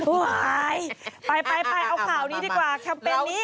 ไปไปเอาข่าวนี้ดีกว่าแคมเปญนี้